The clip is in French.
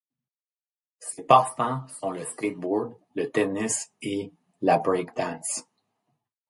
Ses passe-temps sont le Skateboard, le tennis et la breakdance.